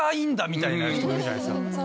みたいな人もいるじゃないですか。